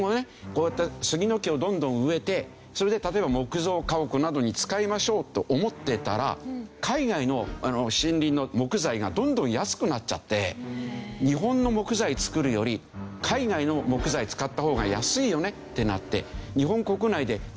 こうやってスギの木をどんどん植えてそれで例えば木造家屋などに使いましょうと思ってたら海外の森林の木材がどんどん安くなっちゃって日本の木材作るより海外の木材使った方が安いよねってなって日本国内で全然これが手を入れなくなってしまった。